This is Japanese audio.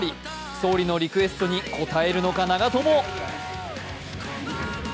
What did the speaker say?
総理のリクエストに応えるのか長友。